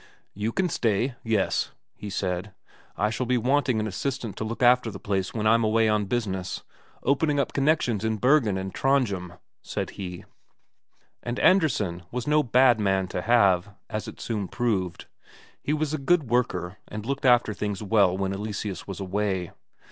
"You can stay, yes," he said. "I shall be wanting an assistant to look after the place when I'm away on business opening up connections in Bergen and Trondhjem," said he. And Andresen was no bad man to have, as it soon proved; he was a good worker, and looked after things well when Eleseus was away.